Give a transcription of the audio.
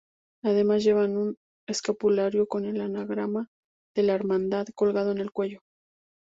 Además llevan un escapulario con el anagrama de la Hermandad colgado del cuello.